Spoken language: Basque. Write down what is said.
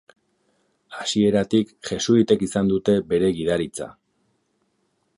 Hasieratik jesuitek izan dute bere gidaritza.